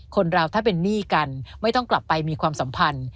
คนเราถ้าเป็นหนี้กันไม่ต้องกลับไปมีความสัมพันธ์